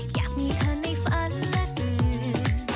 อยากมีเธอในฝันและอื่น